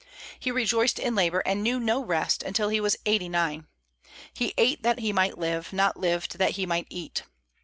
He rejoiced in labor, and knew no rest until he was eighty nine. He ate that he might live, not lived that he might eat.